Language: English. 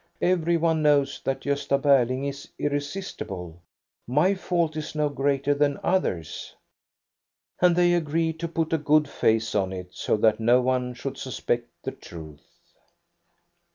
"Everyone knows that Gosta Berling is irresistible. My fault is no greater than others'." And they agreed to put a good face on it, so that no one should suspect the truth.